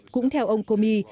cũng theo ông comey